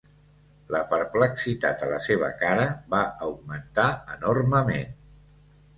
La perplexitat a la seva cara va augmentar enormement.